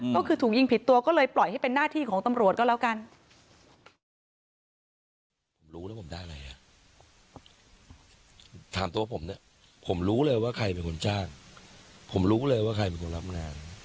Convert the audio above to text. ก็คือถูกยิงผิดตัวก็เลยปล่อยให้เป็นหน้าที่ของตำรวจก็แล้วกัน